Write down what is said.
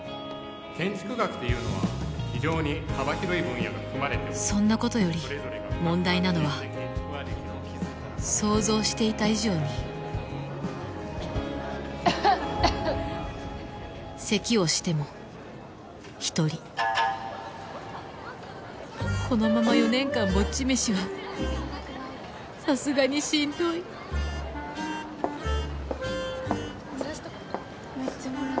・建築学というのは非常に幅広い分野が含まれておりそんなことより問題なのは想像していた以上にせきをしても一人このまま４年間ぼっち飯はさすがにしんどいチラシとかもらった？